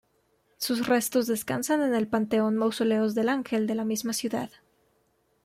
Sus restos descansan en el Panteón Mausoleos del Ángel, de la misma ciudad.